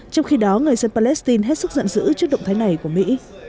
trong khi đó người dân palestine hết sức giận dữ trước động thái này của mỹ